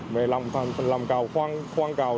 về lòng cầu khoan cầu